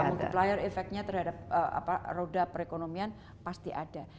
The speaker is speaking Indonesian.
multiplier efeknya terhadap roda perekonomian pasti ada